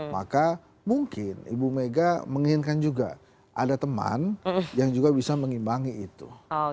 maka mungkin ibu mega menginginkan juga ada teman yang juga bisa mengimbangi itu